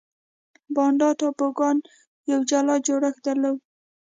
بانډا ټاپوګان یو جلا جوړښت درلود.